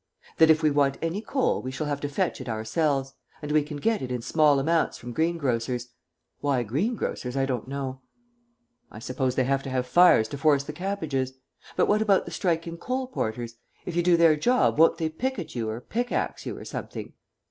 "That if we want any coal we shall have to fetch it ourselves. And we can get it in small amounts from greengrocers. Why greengrocers, I don't know." "I suppose they have to have fires to force the cabbages. But what about the striking coal porters? If you do their job, won't they picket you or pickaxe you or something?"